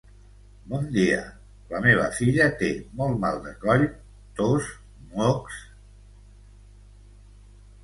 Bon dia. La meva filla té molt mal de coll, tos, mocs...